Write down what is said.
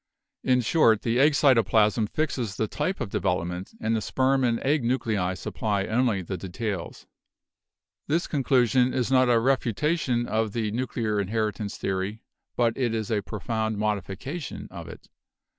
In short, the egg cytoplasm fixes the type of development and the sperm and egg nuclei supply only the details. "This conclusion is not a refutation of the nuclear in heritance theory, but it is a profound modification of it.